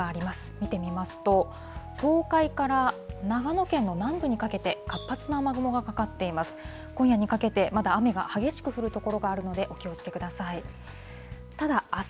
見てみますと、東海から長野県の南部にかけて、活発な雨雲がかかっています。